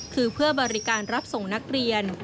คือเพื่อบริการรับส่งนักเรียน